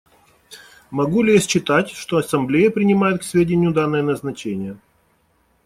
Могу ли я считать, что Ассамблея принимает к сведению данное назначение?